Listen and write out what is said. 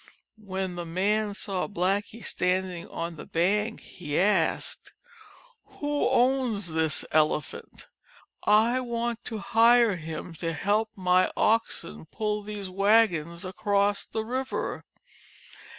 When the man saw Blackie standing on the bank he asked, "Who owns this Elephant? I want to hire him to help my Oxen pull these wagons across the river.'